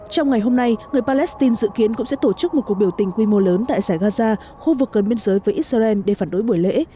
trong ngày hôm nay người palestine dự kiến cũng sẽ tổ chức một cuộc biểu tình quy mô lớn tại giải gaza khu vực gần biên giới với israel để phản đối buổi lễ